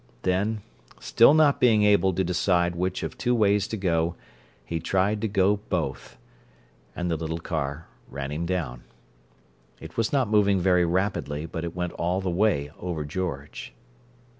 Then, still not being able to decide which of two ways to go, he tried to go both—and the little car ran him down. It was not moving very rapidly, but it went all the way over George.